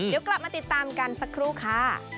เดี๋ยวกลับมาติดตามกันสักครู่ค่ะ